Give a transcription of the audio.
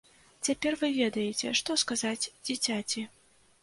Цяпер вы ведаеце, што сказаць дзіцяці.